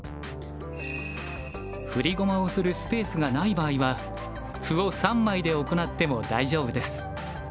振り駒をするスペースがない場合は歩を３枚で行っても大丈夫です。